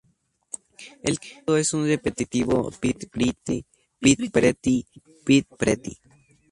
El canto es un repetitivo "pit-pretty, pit-pretty, pit-pretty".